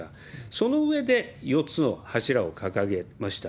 その上で、４つの柱を掲げました。